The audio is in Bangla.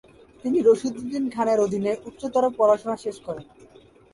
তিনি রশিদ উদ্দীন খানের অধীনে উচ্চতর পড়াশোনা শেষ করেন।